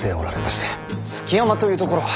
築山という所は。